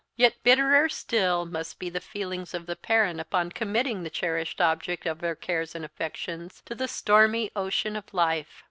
Yet bitterer still must be the feelings of the parent upon committing the cherished object of their cares and affections to the stormy ocean of life.